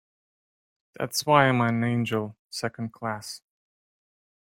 That's why I'm an angel Second Class.